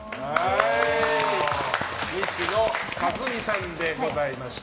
西野一海さんでございました。